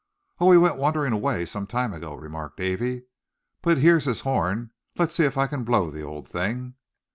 "Oh! he went wandering away some time ago," remarked Davy. "But here's his horn; let's see if I can blow the old thing."